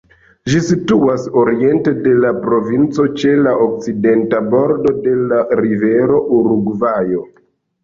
Ĝi situantas oriente de la provinco, ĉe la okcidenta bordo de la rivero Urugvajo.